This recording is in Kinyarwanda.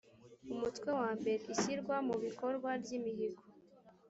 umutwe wa mbere ishyirwa mubikorwa ryimihigo